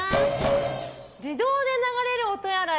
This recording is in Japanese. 自動で流れるお手洗い。